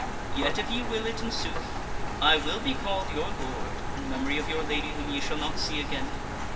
Yet, if ye will it in sooth, I will be called your Lord, in memory of your Lady whom ye shall not see again.